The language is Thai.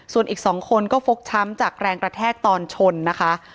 ส่วนอีก๒คนก็ฟกช้ำจากแรงกระแทกตอนชนนะคะ